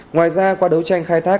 ngoài ra qua đấu tranh khai thác